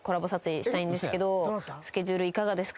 スケジュールいかがですか？